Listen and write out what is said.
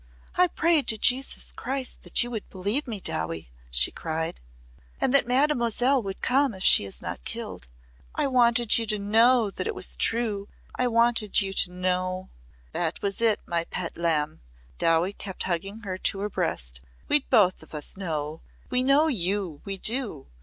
"I prayed to Jesus Christ that you would believe me, Dowie!" she cried. "And that Mademoiselle would come if she is not killed. I wanted you to know that it was true I wanted you to know!" "That was it, my pet lamb!" Dowie kept hugging her to her breast "We'd both of us know! We know you we do!